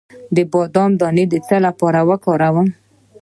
د بادام دانه د څه لپاره وکاروم؟